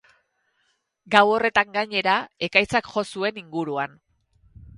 Gau horretan, gainera, ekaitzak jo zuen inguruan.